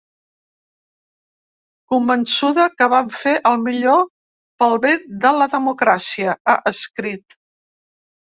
Convençuda que vam fer el millor pel bé de la democràcia, ha escrit.